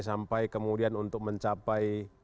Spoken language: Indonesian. sampai kemudian untuk mencapai